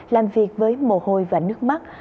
làm việc với mồ hôi và nước mắt